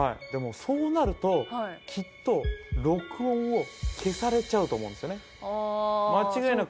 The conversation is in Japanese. でもそうなるときっと録音を消されちゃうと思うんですよね。